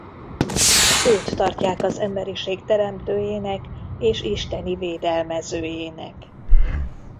Őt tartják az emberiség teremtőjének és isteni védelmezőjének.